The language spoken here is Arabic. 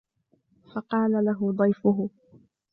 فقال له ضيفه